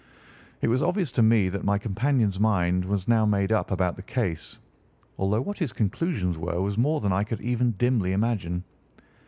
It was obvious to me that my companion's mind was now made up about the case, although what his conclusions were was more than I could even dimly imagine.